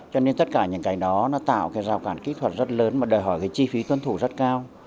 cho nên tất cả những cái đó tạo rao cản kỹ thuật rất lớn mà đòi hỏi chi phí tuân thủ rất cao